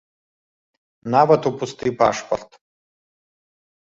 Нават у пусты пашпарт.